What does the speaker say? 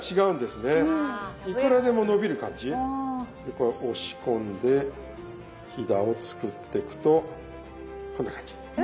これ押し込んでひだを作ってくとこんな感じ。